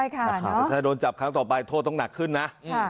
แต่ถ้าโดนจับครั้งต่อไปโทษต้องหนักขึ้นนะ